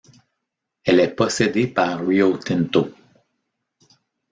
Elle est possédée par Rio Tinto.